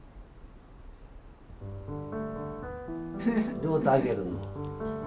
両手上げるの？